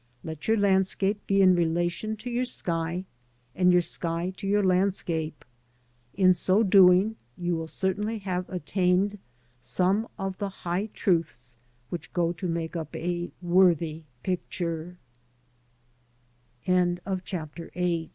Let your landscape be in relation to your sky, and your sky to your landscape. In so doing you will certainly have attained some of the high truths which go to make up a worthy pictu